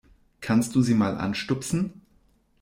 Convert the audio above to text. Kannst du sie mal anstupsen?